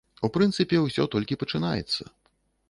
У прынцыпе, усё толькі пачынаецца.